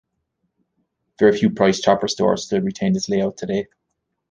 Very few Price Chopper stores still retain this layout today.